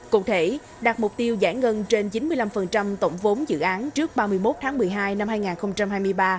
cụ thể đạt mục tiêu giải ngân trên chín mươi năm tổng vốn dự án trước ba mươi một tháng một mươi hai năm hai nghìn hai mươi ba